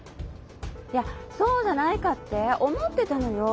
いやそうじゃないかって思ってたのよ。